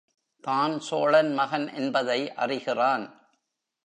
தான் சோழன் மகன் என்பதை அறிகிறான்.